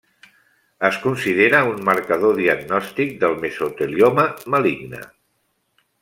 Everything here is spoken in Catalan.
Es considera un marcador diagnòstic del mesotelioma maligne.